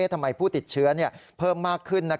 ผู้ติดเชื้อเพิ่มมากขึ้น